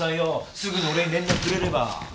すぐに俺に連絡くれれば。